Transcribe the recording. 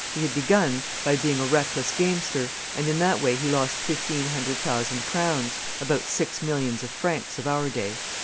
He had begun by being a reckless gamester; and in that way he lost fifteen hundred thousand crowns, about six millions (of francs) of our day.